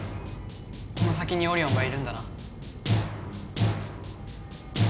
この先にオリオンがいるんだな！